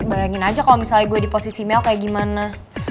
bayangin aja kalau misalnya gue di posisi mell kayak gimana